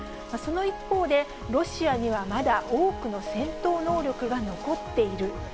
その一方で、ロシアにはまだ多くの戦闘能力が残っている。